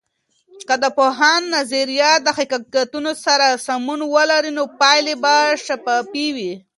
که د پوهاند نظریات د حقیقتونو سره سمون ولري، نو پایلې به شفافې وي.